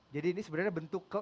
jadi ini sebenarnya bentuk